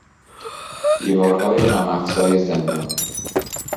دیوارهای غم افزای زندان